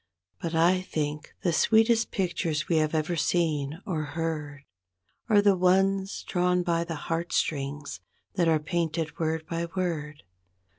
But I think the sweetest pictures we have ever seen or heard Are the ones drawn by the heartstrings that are painted word by word.